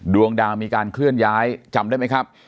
ดวงดาวมีการเคลื่อนย้ายจำได้ไหมครับ